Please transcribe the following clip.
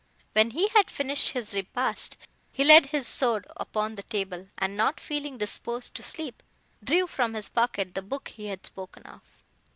When he had finished his repast, he laid his sword upon the table, and, not feeling disposed to sleep, drew from his pocket the book he had spoken of.